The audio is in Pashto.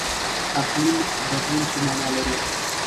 اقلیم بدلون څه مانا لري؟